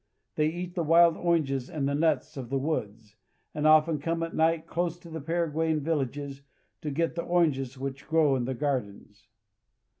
They eat the wild oranges and the nuts of the woods, and often come at night close to the Paraguayan villages to get the oranges which grow in the gardens.